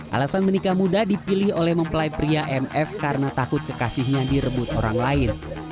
alasan menikah muda dipilih oleh mempelai pria mf karena takut kekasihnya direbut orang lain